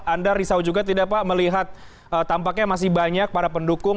anda risau juga tidak pak melihat tampaknya masih banyak para pendukung